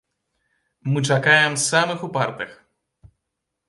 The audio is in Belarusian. Мы чакаем самых упартых!